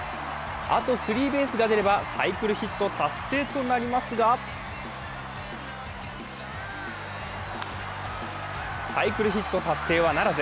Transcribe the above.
あとスリーベースが出ればサイクルヒット達成となりますが、サイクルヒット達成はならず。